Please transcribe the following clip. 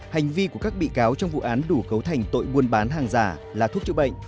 hành vi của các bị cáo trong vụ án đủ cấu thành tội buôn bán hàng giả là thuốc chữa bệnh